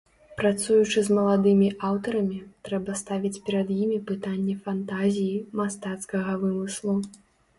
Працуючы з маладымі аўтарамі, трэба ставіць перад імі пытанне фантазіі, мастацкага вымыслу.